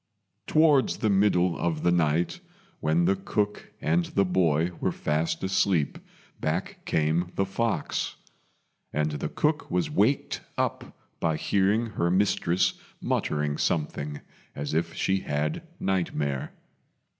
Towards the middle of the night, when the cook and the boy were fast asleep, back came the fox; and the cook was waked up by hearing her mistress muttering something as if she had nightmare.